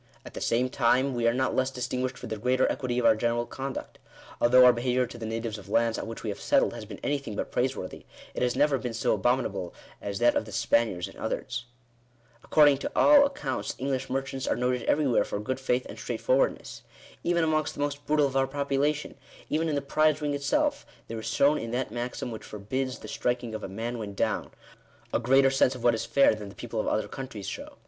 At the same time we are not less 1/ distinguished for the greater equity of our general conduct. Although our behaviour to the natives of lands on which we have settled has been anything but praiseworthy, it has never been so abominable as that of the Spaniards and others. Ac cording to all accounts English merchants are noted everywhere for good faith and straightforwardness. Even amongst the most brutal of our population — even in the prize ring itself, there is shown in that maxim which forbids the striking of a man when down, a greater sense of what is fair than the people of other countries show.